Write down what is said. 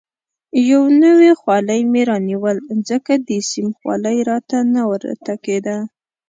یو نوی خولۍ مې رانیول، ځکه د سیم خولۍ راته نه ورته کېده.